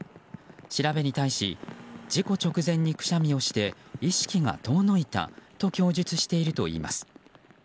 調べに対し事故直前にくしゃみをして意識が遠のいたと供述しているといいます。